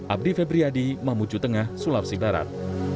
abdi febriadi mamuju tengah sulawesi barat